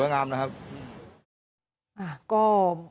เยี่ยมมากครับ